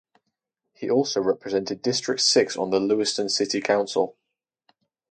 He also represented District Six on the Lewiston City Council.